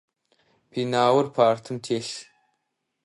Пеналыр партым телъ.